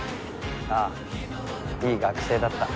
ああいい学生だった。